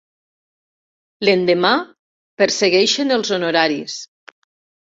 L'endemà, persegueixen els honoraris.